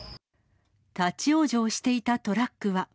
立往生していたトラックは。